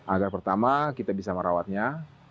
agar pertama kita bisa merawatnya